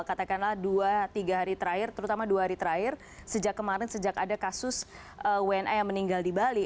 katakanlah dua tiga hari terakhir terutama dua hari terakhir sejak kemarin sejak ada kasus wna yang meninggal di bali